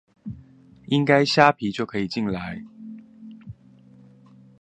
應該蝦皮就可以進來